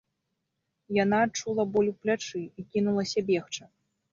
Яна адчула боль у плячы і кінулася бегчы.